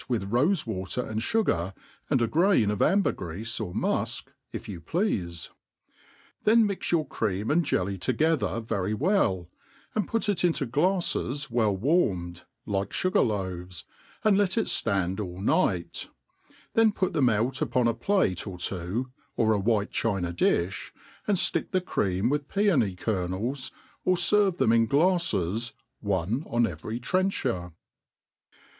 with rofe water and fugar, and a grain of ambergreafe or mujQc, if you pleafc ; then mix your^ cream, and jelly together very well, and put it into glafTes well warmed (like fugar loaves) ^d let it ftand all njght; then put them out upon a plate or two, or a white china di(h, and ftick the cream with piony kernels^ or ferve them in glafTes, one on every trencher.